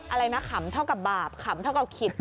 อะไรนะขำเท่ากับบาปขำเท่ากับขิด